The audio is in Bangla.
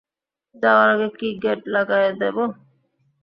যাওয়ার আগে কি গেট লাগায় দেবো?